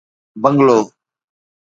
bungalow